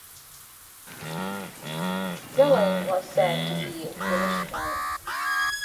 Gilling was said to be a foolish giant.